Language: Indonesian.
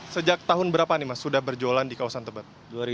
sejak tahun berapa nih mas sudah berjualan di kawasan tebet